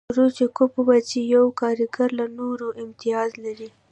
کرو چکوف وویل چې یو کارګر له نورو امتیاز لري